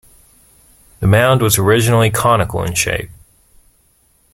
The mound was originally conical in shape.